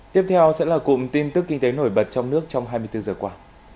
tiếp theo sẽ là cụm tin tức kinh tế nổi bật trong nước trong hai mươi bốn giờ qua